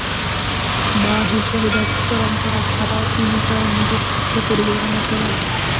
মা হিসাবে দায়িত্বপালন করা ছাড়াও তিনি তাঁর নিজের ব্যবসা পরিচালনা করেন।